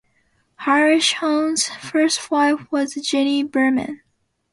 Hirshhorn's first wife was Jennie Berman.